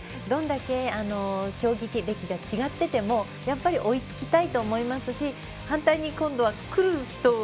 どれだけ競技歴が違っていてもやっぱり追いつきたいと思いますし反対に今度は来る人